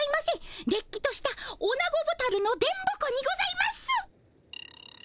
れっきとしたオナゴボタルの電ボ子にございます。